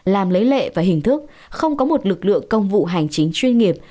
làm lấy lệ và hình thức không có một lực lượng công vụ hành chính chuyên nghiệp